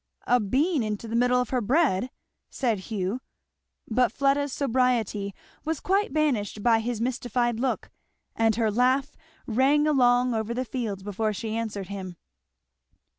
"A bean into the middle of her bread!" said Hugh. But Fleda's sobriety was quite banished by his mystified look, and her laugh rang along over the fields before she answered him.